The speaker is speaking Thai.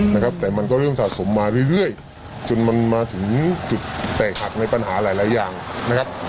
นะครับแต่มันก็เริ่มสะสมมาเรื่อยจนมันมาถึงจุดแตกหักในปัญหาหลายหลายอย่างนะครับ